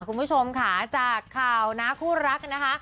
คุณผู้ชมค่ะจากข่าวนะคู่รักนะคะ